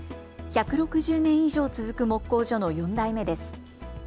１６０年以上続く木工所の４代目です。